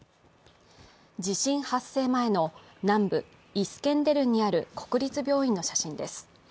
地震発生前の南部イスケンデルンにある国立病院の写真です。